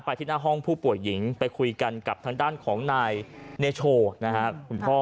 ที่หน้าห้องผู้ป่วยหญิงไปคุยกันกับทางด้านของนายเนโชนะครับคุณพ่อ